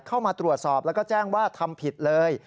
เข้ามาตรวจสอบแล้วก็แจ้งว่าทำผิดเลย